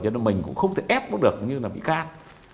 cho nên mình cũng không thể ép được như là bị can